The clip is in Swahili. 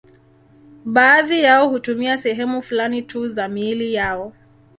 Baadhi yao hutumia sehemu fulani tu za miili yao.